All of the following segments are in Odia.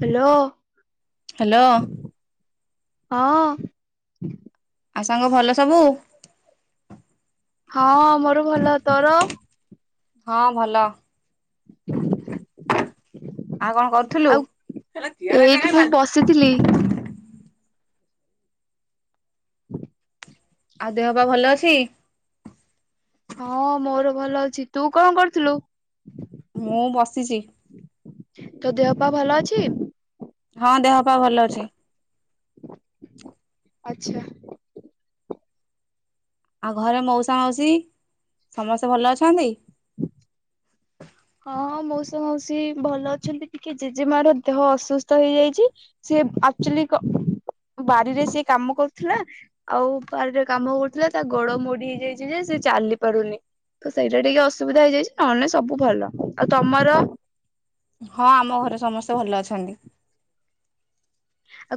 ହ୍ୟାଲୋ। ହ୍ୟାଲୋ। ହଁ। ଆଉ ସାଙ୍ଗ ଭଲ ସବୁ? ହଁ ମୋର ଭଲ ତୋର? ହଁ ଭଲ। ଆଉ କଣ କରୁଥିଲୁ? ଆଉ ଏଇଠି ମୁଁ ବସିଥିଲି। [inaudible] ଆଉ ଦେହ ପା ଭଲ ଅଛି? ହଁ ମୋର ଭଲ ଅଛି ତୁ କଣ କରୁଥୁଲୁ? ମୁଁ ବସିଛି। ତୋ ଦେହ ପା ଭଲ ଅଛି? ହଁ ଦେହ ପା ଭଲ ଅଛି। ଆଚ୍ଛା। ଆଉ ଘରେ ମଉସା ମାଉସୀ ସମସ୍ତେ ଭଲ ଅଛନ୍ତି। ହଁଁ ହଁ ମଉସା ମାଉସୀ ଭଲ ଅଛନ୍ତି ଟିକେ ଜେଜେମାର ଦେହ ଅସୁସ୍ଥ ହେଇଯାଇଛି। ସିଏ ଆଚୁଆଲି କ ବାରିରେ ସିଏ କାମ କରୁଥିଲା ଆଉ ବାରିରେ କାମ କରୁଥିଲା ତା ଗୋଡ ମୋଡି ହେଇଯାଇଛି ଯେ ସେ ଚାଲି ପାରୁନି। ତ ସେଇଟା ଟିକେ ଅସୁବିଧା ହେଇଯାଇଛି ନହେଲେ ସବୁ ଭଲ। ଆଉ ତମର। ହଁ ଆମ ଘରେ ସମସ୍ତେ ଭଲ ଅଛନ୍ତି।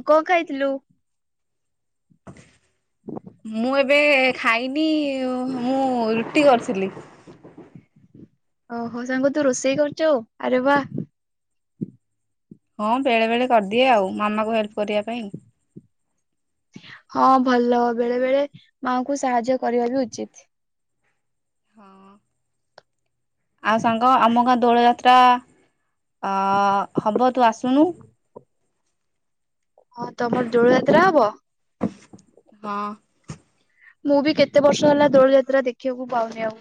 ଆଉ କଣ ଖାଇଥିଲୁ? ମୁଁ ଏବେ ଖାଇନି ମୁଁ ରୁଟି କରୁଥିଲି। ଓହୋ ସାଙ୍ଗ ତୁ ରୋଷେଇ କରୁଚୁ ଆରେ ବା। ହଁ ବେଳେ ବେଳେ କରିଦିଏ ଆଉ, ମାମା କୁ ହେଲ୍ପ କରିବା ପାଇଁ। ହଁ ଭଲ ବେଳେ ବେଳେ ମାଙ୍କୁ ସାହାଯ୍ୟ କରିବା ବି ଉଚିତ୍। ହଁ ଆଉ ସାଙ୍ଗ ଆମ ଗା ଦୋଳ ଯାତ୍ରା ଆ ହବ ତୁ ଆସୁନୁ। ହଁ ତମର ଦୋଳ ଯାତ୍ରା ହବ। ହଁ। ମୁଁ ବି କେତେ ବର୍ଷ ହେଲା ଦୋଳ ଯାତ୍ରା ଦେଖିବାକୁ ପାଉନି ଆଉ।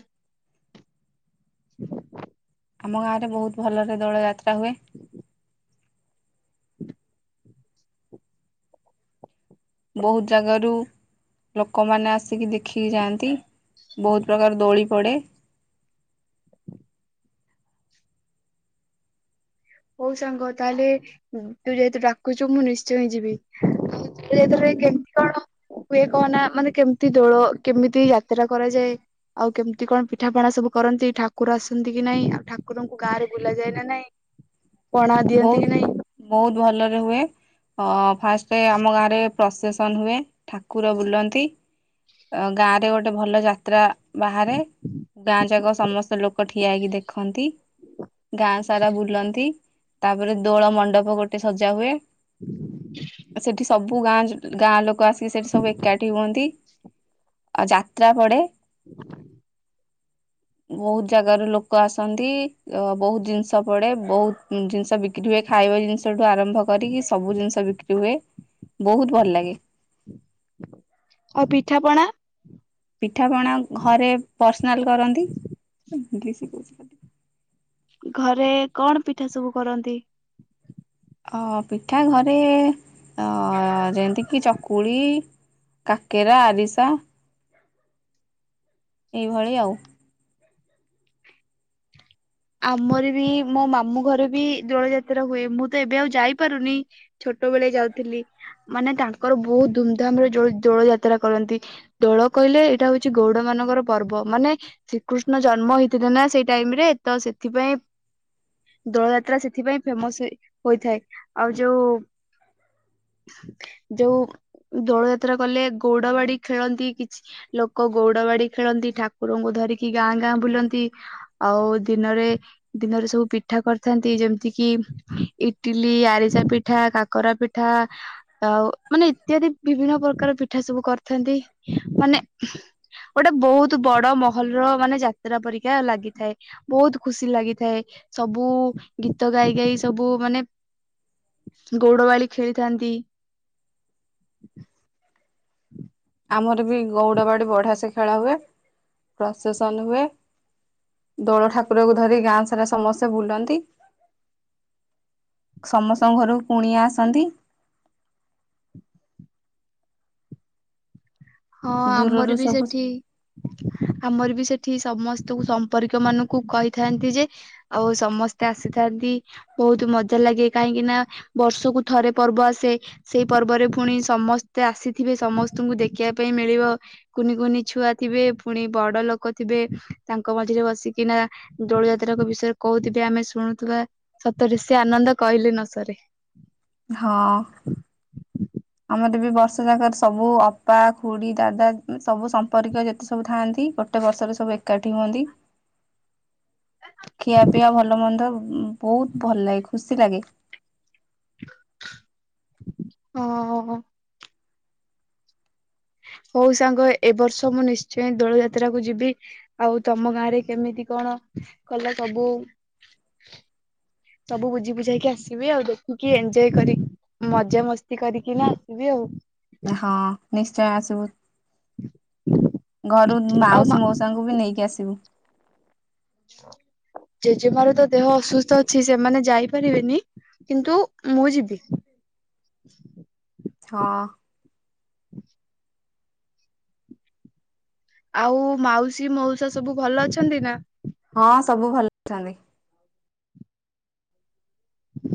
ଆମ ଗାଁ ରେ ବହୁତ ଭଲରେ ଦୋଳ ଯାତ୍ରା ତା ହୁଏ। [inaudible] ବହୁତ ଜାଗାରୁ ଲୋକମାନେ ଆସିକି ଦେଖ ଦେଖିକି ଯାଆନ୍ତି। ବହୁତ ପ୍ରକାର ଦୋଳି ପଡ଼େ। ହଉ ସାଙ୍ଗ ତାହେଲେ ତୁ ଯେହେତୁ ଡାକୁଛୁ ମୁଁ ନିଶ୍ଚୟ ଯିବି। ଆଉ ଦୋଳ ଯାତ୍ରା ରେ କେମିତି କଣ ହୁଏ କହନା ମାନେ କେମତି ଦୋଳ କେମିତି ଯାତ୍ରା କରାଯାଏ।। ଆଉ କେମିତି କଣ ପିଠାପଣା ସବୁ କରନ୍ତି ଠାକୁର ଆସନ୍ତି କି ନାଇଁ ଆଉ ଠାକୁରଙ୍କୁ ଗାଁ ରେ ବୁଲା ଯାଏ ନା ନାଇଁ। ପଣା ଦିଅନ୍ତି ବହୁତ କି ନାଇଁ। ବହୁତ ଭଲରେ ହୁଏ ଅ ଫାଷ୍ଟ ଆମ ଗାଁ ରେ ପ୍ରସେସ ସନ ହୁଏ ଠାକୁର ବୁଲନ୍ତି। ଗାଁ ରେ ଗୋଟେ ଭଲ ଯାତ୍ରା ବାହାରେ ଗାଁ ଯାକ ସମସ୍ତ ଲୋକ ଠିଆ ହେଇକି ଦେଖନ୍ତି। ଗାଁ ସାରା ବୁଲନ୍ତି। ତାପରେ ଦୋଳ ମଣ୍ଡପ ଗୋଟେ ସଜା ହୁଏ। ସେଠି ସବୁ ଗାଁ ଲୋ ଗାଁ ଲୋକ ଆସ ସେଠି ସବୁ ଏକାଠି ହୁଅନ୍ତି। ଆଉ ଯାତ୍ରା ପଡେ [inaudible] ବହୁତ ଜାଗ ର ଲୋକ ଆସନ୍ତି। ଅ ବହୁତ ଜିନିଷ ପଡେ ବହୁତ ଜିନିଷ ବିିକି ହୁଏ ଖାଇବ ଜିନିଷ ଆରମ୍ଭ କରିକି ସବୁ ଜିନିଷ ବିକ୍ରି ହୁଏ। ବହୁତ ଭଲ ଲାଗେ ଆଉ ପିଠାପଣା ପିଠା ପଣା ଘରେ ପର୍ସନାଲ କରନ୍ତି। କିଛି କହୁଛି ଘରେ କଣ ପିଠା ସବୁ କରନ୍ତି ପିଠା ଘରେ ଯେମିତିକି ଚକୁଳି କାକେରା ଆରିସା ଏଇଭଳି ଆଉ ଆମର ବି ମୋ ମାମୁଁ ଘରେ ବି ଦୋଳ ଯାତ୍ରା ହୁଏ ମୁଁ ତ ଏବେ ଆଉ ଯାଇପାରୁନି ଛୋଟ ବେଳେ ଯାଉଥିଲି ମାନେ ତାଙ୍କର ବହୁତ ଧୁମଧାମ ରେ ଦୋଳ ଯାତ୍ରା କରନ୍ତି ଦୋଳ କହିଲେ ଏଇଟା ହଉଛି ଗୌଡ ମାନଙ୍କର ପର୍ବ ମାନେ ଶ୍ରୀକୃଷ୍ଣ ଜନ୍ମ ହେଇଥିଲେ ନା ସେଇ ଟାଇମ ରେ ତ ସେଥିପାଇଁ ଦୋଳ ଯାତ୍ରା ସେଥିପାଇଁ ଫେମସ ହୋଇଥାଏ ଆଉ ଯୋଉ ଯୋଉ ଦୋଳ ଯାତ୍ରା କଲେ ଗଉଡ ବାଡି ଖେଳନ୍ତି କିଛି ଲୋକ ଗଉଡ ବାଡି ଖେଳନ୍ତି ଠାକୁରଙ୍କୁ ଧରିକି ଗାଁ ଗାଁ ବୁଲନ୍ତି ଆଉ ଦିନରେ ଦିନରେ ସବୁ ପିଠା କରିଥାନ୍ତି ଯେମିତି କିି ଇଟିଲି ଆରିସା ପିଠା କାକରା ପିଠା ଆଉ ମାନେ ଇତ୍ୟାଦି ବିଭିନ୍ନ ପ୍ରକାର ପିଠା ସବୁ କରିଥାନ୍ତି ମାନେ ଗୋଟେ ବହୁତ ବଡ ମହଲର ମାନେ ଯାତ୍ରା ପରିକା ଲାଗିଥାଏ ବହୁତ ଖୁସି ଲାଗିଥାଏ ସବୁ ଗୀତ ଗାଇ ଗାଇ ସବୁ ମାନେ ଗୌଡବାଳି ଖେଳିଥାନ୍ତି ହୁଁ ଆମର ବି ଗଉଡ ବାଡି ବଢିଆ ସେ ଖେଳ ହୁଏ ପ୍ରଶାସନ ହୁଏ ଦୋଳ ଠାକୁରକୁ ଧରି ଗାଁ ସାରା ସମସ୍ତେ ବୁଲନ୍ତି ସମସ୍ତଙ୍କ ଘର କୁଣିଆ ଆସନ୍ତି ହଁ ଦୂରରୁ ଆମର ବି ସବୁ ସେଠି ଆମର ବି ସେଠି ସମସ୍ତଙ୍କୁ ସମ୍ପର୍କୀୟ ମାନଙ୍କୁ କହିଥାନ୍ତି ଯେ ଆଉ ସମସ୍ତେ ଆସିଥାନ୍ତି ବହୁତ ମଜା ଲାଗେ କାହିଁକି ନା ବର୍ଷକୁ ଥରେ ପର୍ବ ଆସେ ସେଇ ପର୍ବରେ ପୁଣି ସମସ୍ତେ ଆସିଥିବେ ସମସ୍ତଙ୍କୁ ଦେଖ ଦେଖିବା ପାଇଁ ମିଳିବ କୁନି କୁନି ଛୁଆ ଥିବେ ପୁଣି ବଡ ଲୋକ ଥିବେ ତାଙ୍କ ମଝିରେ ବସିକିନା ଦୋଳ ଯାତ୍ରା ବିଷୟରେ କହୁଥିବେ ଆମେ ଶୁଣୁଥିବା ସତରେ ସେ ଆନନ୍ଦ କହିଲେ ନ ସରେ ହଁ ହୁଁ ମୋତେ ବି ବର୍ଷ ଜାକ ସବୁ ଅପା ଖୁଡି ଦାଦା ସବୁ ସମ୍ପର୍କୀୟ ଯେତେ ସବୁ ଥାଆନ୍ତି ଗୋଟେ ବର୍ଷରେ ସବୁ ଏକାଠି ହୁଅନ୍ତି ଖିଆ ପିଇବା ଭଲ ମନ୍ଦ ବହୁତ ଭଲ ଲାଗେ ଖୁସି ବେଶୀ ଲାଗେ ହ ହଉ ସାଙ୍ଗ ଏ ବର୍ଷ ମୁଁ ନିଶ୍ଚୟ ଦୋଳ ଯାତ୍ରାକୁୁ ଯିବି ଆଉ ତମ ଗାଁରେ କେମିତି କଣ କଲେ ସବୁ ସବୁ ବୁଝି ବୁଝାଇକି ଆସିବି ଆଉ ଦେଖିକି ଏଞଜୟ କରି ମଜା ମସ୍ତି କରିକି ନା ଆସିବି ଆଉ ଚା ଆସିବୁ ଘରୁ ଆଉ ମା ମାଉସୀ ମାଉସାଙ୍କୁ ବି ନେଇକି ଆସିବୁ [unintelligible] ଜେଜେମାର ତ ଦେହ ଅସୁସ୍ଥ ଅଛି ସେମାନେ ଯାଇପାରିବେନି କିନ୍ତୁ ମୁଁ ଯିବି ହଁ ଆଉ ମାଉସୀ ମାଉସା ସବୁ ଭଲ ଅଛନ୍ତି ନା ହଁ ସବୁ ଭଲ ଅଛନ୍ତି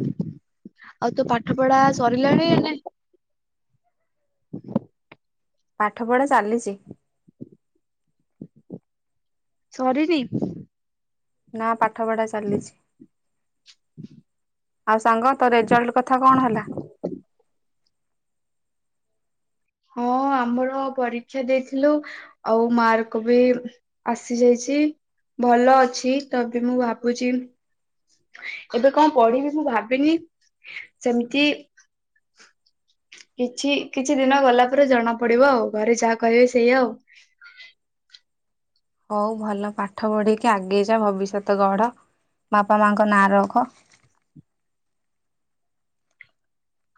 ଆଉ ତୁ ପାଠ ପଢା ସରିଲାଣି ହ ପାଠ ପଢା ଚାଲିଚ ସରି ନି ନା ପା ପାଠ ପଢ଼ା ଚାଲିଛି ଆଉ ସାଙ୍ଗ ତୋ ରେଜଲ୍ଟ କଥା କଣ ହେଲା ହଁ ଆମର ପରୀକ୍ଷା ଦେଇଥିଲୁ ଆଉ ମାର୍କ ବି ଆସିଯାଇଛି ଭଲ ଅଛି ତ ବି ମୁଁ ଭାବୁଛି ଏବେ କଣ ପଢିବି ମୁଁ ଭାବିନି ସେମିତି କିଛି କିଛି ଦିନ ଗଲା ପରେ ଜଣା ପଡିବ ଆଉ ଘରେ ଯାହା କହିବେ ସେଇ ଆଉ ହଉ ଭଲ ପାଠ ପଢେଇକି ଆଗେଇ ଯା ଭବିଷ୍ୟତ ଗଢ ବାପା ମାଙ୍କ ନାଁ ରଖ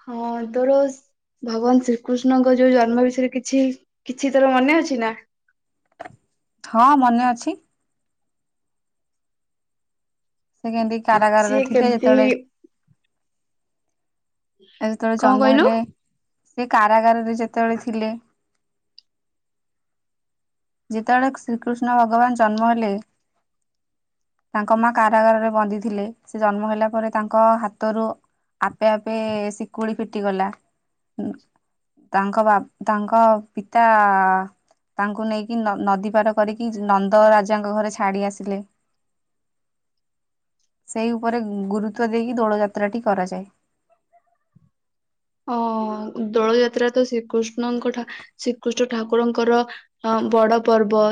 ହଁ ତୋର ଭଗବାନ ଶ୍ରୀକୃଷ୍ଣଙ୍କ ଯୋଉ ଜନ୍ମ ବିଷୟରେ କିଛି କିଛି ତୋର ମନେ ଅଛି ନା? ହଁ ମନେ ଅଛି। ସେ କେମତି କାରାଗାରରେ ସିଏ ଥିଲେ କେମିତି ଯେତେବେଳେ ଏ ଯେତେବେଳେ କଣ ଜନ୍ମ କହିଲୁ? ହେଲେ ସେ କାରାଗାରରେ ଯେତେବେଳେ ଥିଲେ [inaudible] ଯେତେବେଳେ ଶ୍ରୀକୃଷ୍ଣ ଭଗବାନ ଜନ୍ମ ହେଲେ ତାଙ୍କ ମା କାରାଗାରରେ ବନ୍ଦି ଥିଲେ ସେ ଜନ୍ମ ହେଲା ପରେ ତାଙ୍କ ହାତରୁ ଆପେ ଆପେ ଶିକୁଳି ଫିଟିଗଲା ତାଙ୍କ ତାଙ୍କ ବା ପିତା ତାଙ୍କୁ ନେଇକି ନଦୀ ପାର କରିକି ନନ୍ଦ ରାଜାଙ୍କ ଘରେ ଛାଡି ଆସିଲେ ସେଇ ଉପରେ ଗୁରୁତ୍ୱ ଦେଇକି ଦୋଳ ଯାତ୍ରାଟି କରାଯାଏ। ହଁ ଦୋଳ ଯାତ୍ରା ତ ଶ୍ରୀକୃଷ୍ଣଙ୍କ ଶ୍ରୀକୃଷ୍ଣ ଠାକୁରଙ୍କର ବଡ ପର୍ବ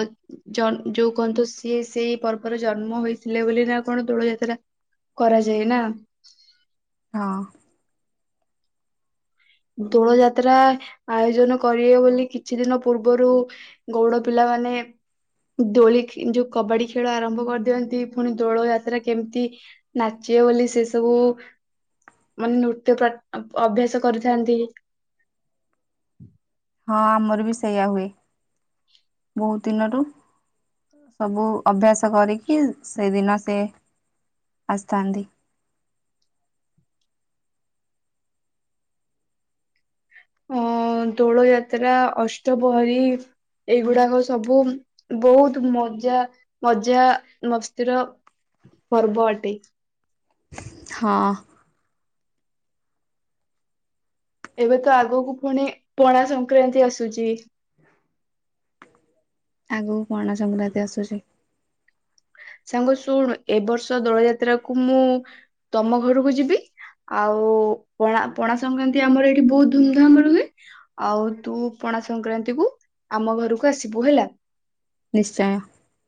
ଯୋଉ କୁହନ୍ତୁ ସିଏ ସେଇ ପର୍ବରେ ଜନ୍ମ ହେଇଥିଲେ ବୋଲି ନା କଣ ଦୋଳ ଯାତ୍ରା କରାଯାଏ ନା। [inaudible] ହଁ। ଦୋଳ ଯାତ୍ରା ଆୟୋଜନ କରିବେ ବୋଲି କିଛି ଦିନ ପୂର୍ବରୁ ଗୌଡ଼ ପିଲାମାନୋନ ଦୋଳି ଯୋଉ କବାଡି ଖେଳ ଆରମ୍ଭ କରିଦିଅନ୍ତି ପୁଣି ଦୋଳ ଯାତ୍ରା କେମିତି ନାଚିବେ ବୋଲି ସେ ସବୁ ମାନେ ନୃତ୍ୟ ଅଭ୍ୟାସ କରି ଯାନ୍ତି। [inaudible] ହଁ ଆମର ବି ସେଇୟା ହୁଏ ବହୁତ ଦିନରୁ ସବୁ ଅଭ୍ୟାସ କରିକି ସେଦିନ ସେ ସେ ଆସିଥାନ୍ତି। [inaudible] ଅ ଦୋଳ ଯାତ୍ରା ଅଷ୍ଟପହରୀ ଏଇଗୁଡାକ ସବୁ ବହୁତ ମଜା ମଜା ମସ୍ତିର ପର୍ବ ଅଟେ। ହଁ। ଏବେ ତ ଆଗକୁ ପୁଣି ପଣା ସଂକ୍ରାନ୍ତି ଆସୁଛି। ଆଗୁ ପଣା ସଂକ୍ରାନ୍ତି ଆସୁଛି। ସାଙ୍ଗ ଶୁଣୁ ଏ ବର୍ଷ ଦୋଳ ଯାତ୍ରା କୁ ମୁଁ ତମ ଘରକୁ ଯିବି ଆଉ ପଣା ପଣା ସଂକ୍ରାନ୍ତି ଆମର ଏଇଠି ବହୁତ ଧୁମଧାମ ର ହୁଏ ଆଉ ତୁ ପଣା ସଂକ୍ରାନ୍ତି କୁ ଆମ ଘରକୁ ଆସିବୁ ହେଲା। ନିଶ୍ଚୟ।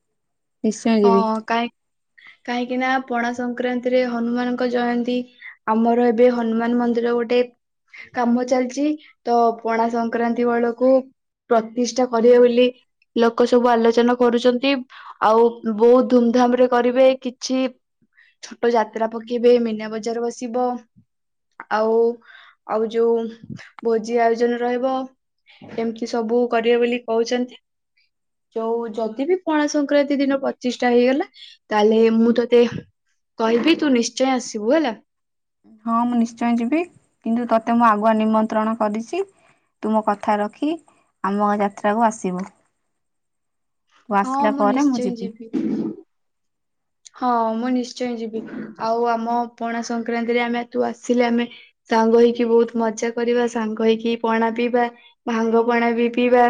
[inaudible] ନିଶ୍ଚୟ ହଁ ଯିବି କାହିଁ [inaudible] କାହିଁକି ନା ପଣା ସଂକ୍ରାନ୍ତି ରେ ହନୁମାନଙ୍କ ଜୟନ୍ତୀ ଆମର ଏବେ ହନୁମାନ ମନ୍ଦିର ଗୋଟେ କାମ ଚାଲିଛି ତ ପଣା ସଂକ୍ରାନ୍ତି ବେଳକୁ ପ୍ରତିଷ୍ଠା କରିବେ ବୋଲି ଲୋକ ସବୁ ଆଲୋଚନା କରୁଛନ୍ତି। ଆଉ ବହୁତ ଧୁମଧାମ ରେ କରିବେ କିଛି ଛୋଟ ଯାତ୍ରା ପକେଇବେ ମନା ବଜାର ବସିବ ଆଉ ଆଉ ଯୋଉ ଭୋଜି ଆୟୋଜନ ରହିବ ଏମିତି ସବୁ କରିବେ ବୋଲି କହୁଛନ୍ତି ଯୋଉ ଯଦି ବି ପଣା ସ ସଂକ୍ରାନ୍ତି ଦିନ ପଚିଶ ଟା ହେଇଗଲା ତାହେଲେ ମୁଁ ତତେ କହିବି ତୁ ନିଶ୍ଚୟ ଆସିବୁ ହେଲା। ହଁ ମୁଁ ନିଶ୍ଚୟ ଯିବି କିନ୍ତୁ ତୋତେ ମୁଁ ଆଗୁଆ ନିମନ୍ତ୍ରଣ କରିଛି ତୁ ମ କଥା ରଖି ଆମ ଯାତ୍ରାକୁ ଆସିବୁ। ତୁ ହଁ ଆସିଲା ମୁଁ ପରେ ନିଶ୍ଚୟ ଯିବି। ହଁ ମୁଁ ନିଶ୍ଚୟ ଯିବି ଆଉ ଆମ ପଣା ସଂକ୍ରାନ୍ତିରେ ଆମେ ଏ ତୁ ଆସିଲେ ଆମେ ସାଙ୍ଗ ହେଇକି ବହୁତ ମଜା କରିବା ସାଙ୍ଗ ହେଇକି ପଣା ପିଇବା ଭାଙ୍ଗ ପଣା ବି ପିଇବା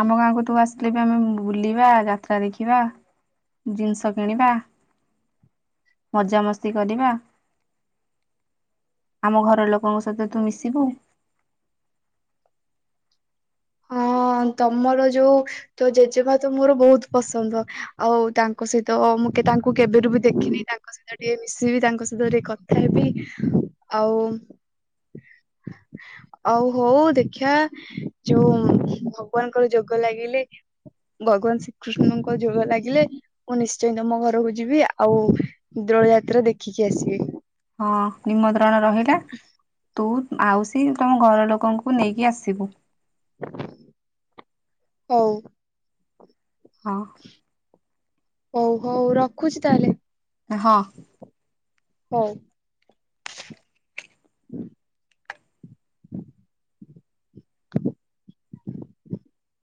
ଆମ ଗାଁକୁ ତୁ ଆସିଲେ ବି ଆମେ ବୁଲିବା ଯାତ୍ରା ଦେଖିବା ଜିନିଷ କିଣିବା [inaudible] ମଜାମସ୍ତି କରିବା [inaudible] ଆମ ଘର ଲୋକଙ୍କ ସହିତ ତୁ ମିଶିବୁ [inaudible] ହଁ ତମର ଯୋଉ ତ ଜେଜେମା ତ ମୋର ବହୁତ ପସନ୍ଦ ଆଉ ତାଙ୍କ ସହିତ ମୁଁ ତାଙ୍କୁ କେବେରୁ ବି ଦେଖିନି ତାଙ୍କ ସହିତ ଟିକେ ମିଶିବି ତାଙ୍କ ସହିତ ଟିକେ କଥା ହେବି ଆଉ [inaudible] ଆଉ ହଉ ଦେଖିବା ଯୋଉ ଭଗବାନଙ୍କର ଯୋଗ ଲାଗିଲେ ଭଗବାନ ଶ୍ରୀକୃଷ୍ଣଙ୍କ ଯୋଗ ଲାଗିଲେ ମୁଁ ନିଶ୍ଚୟ ତମ ଘରକୁ ଯିବି ଆଉ ଦ୍ରୋଳ ଯାତ୍ରା ଦେଖିକି ଆସିବି। ହଁ ନିମନ୍ତ୍ରଣ ର ରହିଲା ତୁ ଆଉ ସି ତମ ଘର ଲୋ ଲୋକଙ୍କୁ ନେଇକି ଆସିବୁ। ହୋଉ। ହଁ। ହୋଉ ହୋଉ ରଖୁଛି ତାହେଲେ। ହଁ। ହୋଉ। [inaudible]